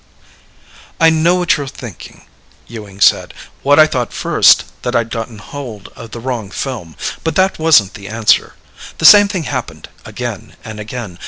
"I know what you're thinking," Ewing said. "What I thought at first: that I'd gotten hold of the wrong film. But that wasn't the answer. The same thing happened again and again.